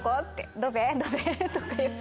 ドベ？とか言って。